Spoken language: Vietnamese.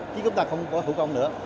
chứ chúng ta không có phụ công nữa